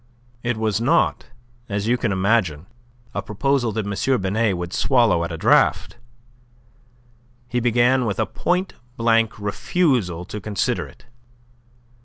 It was not, as you can imagine, a proposal that M. Binet would swallow at a draught. He began with a point blank refusal to consider it.